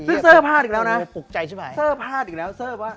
ซึ่งเซอร์พลาดอีกแล้วนะเซอร์พลาดอีกแล้ว